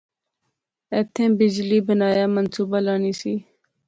ایتھیں بجلی بنایا منصوبہ لانی سی